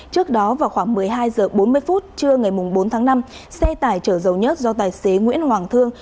trước đó vào khoảng một mươi hai h bốn mươi trưa ngày bốn tháng năm xe tải chở dầu nhớt do tài xế nguyễn hoàng thương